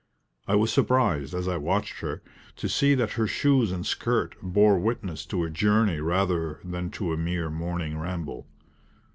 I was surprised, as I watched her, to see that her shoes and skirt bore witness to a journey rather than to a mere morning ramble.